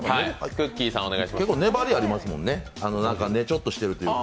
結構粘りありますもんね、結構ねちゃっとしているというか。